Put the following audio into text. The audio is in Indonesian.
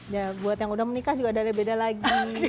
ya buat yang udah menikah juga ada beda lagi